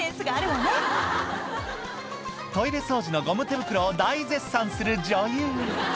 トイレ掃除のゴム手袋を大絶賛する女優